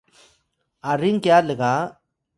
aring kya lga